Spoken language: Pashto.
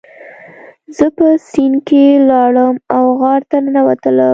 زه په سیند کې لاړم او غار ته ننوتلم.